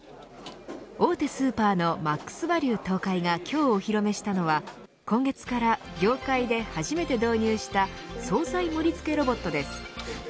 大手スーパーのマックスバリュ東海が今日、お披露目したのは今月から業界で初めて導入した総菜もりつけロボットです。